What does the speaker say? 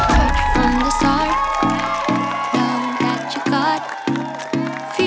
langsung saja ini dia persembahan dari dj yasmin